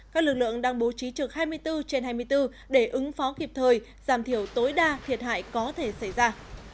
các lực lượng đang bố trí trực hai mươi bốn trên hai mươi bốn để ứng phó kịp thời giảm thiểu tối đa thiệt hại có thể xảy ra